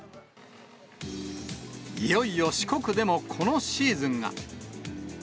いよいよ四国でもこのシーズンが。